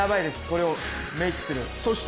これをメークする。